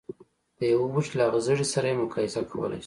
د يوه بوټي له هغه زړي سره يې مقايسه کولای شو.